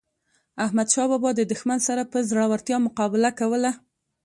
احمد شاه بابا د دښمن سره په زړورتیا مقابله کوله.